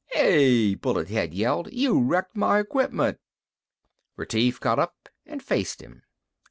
"Hey!" Bullet head yelled. "You wrecked my equipment!" Retief got up and faced him.